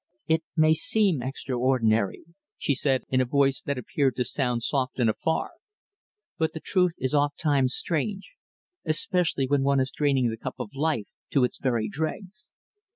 "It may seem extraordinary," she said in a voice that appeared to sound soft and afar, "but the truth is oft times strange, especially when one is draining the cup of life to its very dregs."